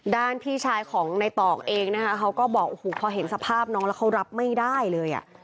พี่ชายของในตอกเองนะคะเขาก็บอกโอ้โหพอเห็นสภาพน้องแล้วเขารับไม่ได้เลยอ่ะ